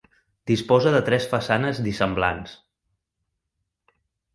Disposa de tres façanes dissemblants.